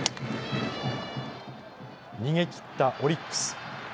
逃げきったオリックス。